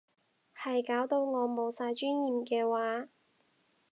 係搞到我冇晒尊嚴嘅話